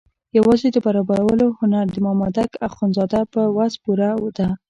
یوازې د برابرولو هنر د مامدک اخندزاده په وس پوره ده.